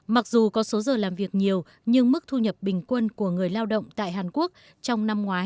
mặc dù có số giờ làm việc nhiều nhưng mức thu nhập bình quân của người lao động tại hàn quốc trong năm ngoái